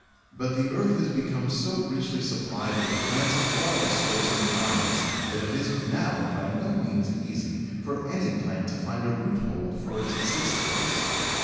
But the earth has become so richly supplied with plants of all sorts and kinds that it is now by no means easy for any plant to find a roothold for its existence.